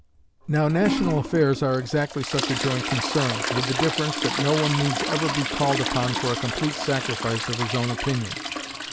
Now national affairs are exactly such a joint concern, with the difference that no one needs ever be called upon for a complete sacrifice of his own opinion.